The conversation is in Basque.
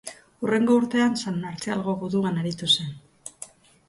Hurrengo urtean San Martzialgo guduan aritu zen.